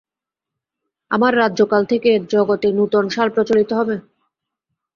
আমার রাজ্যকাল থেকে জগতে নূতন সাল প্রচলিত হবে?